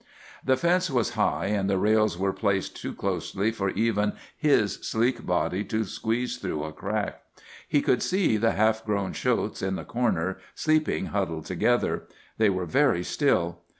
The fence was high and the rails were placed too closely for even his sleek body to squeeze through a crack. He could see the half grown shotes in the corner, sleeping huddled together. They were very still.